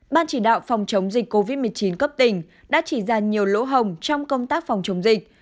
ban chỉ đạo phòng chống dịch covid một mươi chín cấp tỉnh đã chỉ ra nhiều lỗ hồng trong công tác phòng chống dịch